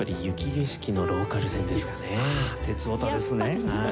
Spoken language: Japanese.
鉄オタですねえ。